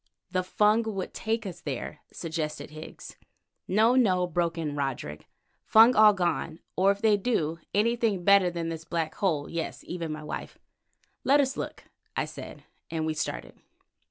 "The Fung would take us there," suggested Higgs. "No, no," broke in Roderick, "Fung all gone, or if they do, anything better than this black hole, yes, even my wife." "Let us look," I said, and we started.